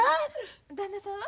旦那さんは？